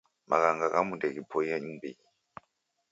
Maghanga ghamu ndeghipoie mumbinyi